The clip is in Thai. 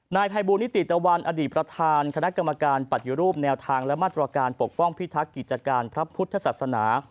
นายภัยบูรณิติตะวันอดีตประธานคณะกรรมการปฏิรูปแนวทางและมาตรการปกป้องพิทักษ์กิจการพระพุทธศาสนา